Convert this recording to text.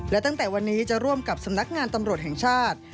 และตั้งแต่วันนี้จะร่วมกับสำนักงานตำรวจแห่งชาติ